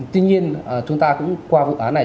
tuy nhiên chúng ta cũng qua vụ án này